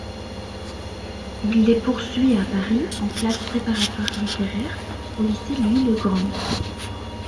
Il les poursuit à Paris en classe préparatoire littéraire au lycée Louis-le-Grand.